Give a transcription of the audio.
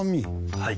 はい。